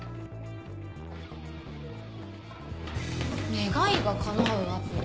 願いが叶うアプリ？